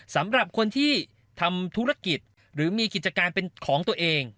สำหรับคนที่ทำธุรกิจหรือมีกิจการเป็นของตัวเอง